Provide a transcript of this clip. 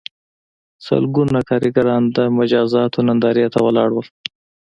سلګونه کارګران د مجازاتو نندارې ته ولاړ وو